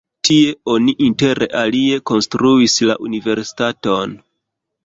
Tie oni inter alie konstruis la universitaton.